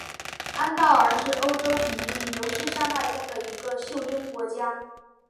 安道尔是欧洲比利牛斯山脉中的一个袖珍国家。